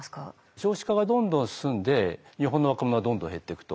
少子化がどんどん進んで日本の若者はどんどん減っていくと。